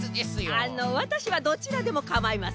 あのわたしはどちらでもかまいませんけど。